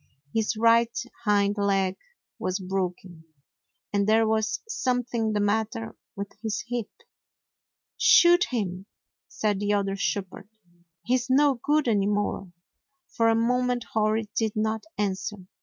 His right hind leg was broken, and there was something the matter with his hip. "Shoot him,''' said the other shepherd. "He's no go'od any more." For a moment Hori did not answer.